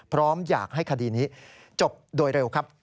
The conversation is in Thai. พร้อมอยากให้คดีนี้จบโดยเร็วครับ